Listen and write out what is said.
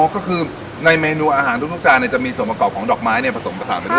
ก็คือในเมนูอาหารทุกจานจะมีส่วนประกอบของดอกไม้ผสมผสานไปด้วย